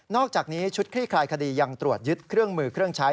อกจากนี้ชุดคลี่คลายคดียังตรวจยึดเครื่องมือเครื่องใช้